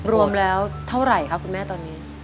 รวมแล้วเท่าไหร่คะคุณแม่ตอนนี้